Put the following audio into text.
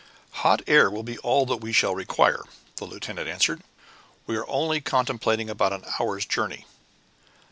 "Hot air will be all that we shall require," the lieutenant answered; "we are only contemplating about an hour's journey."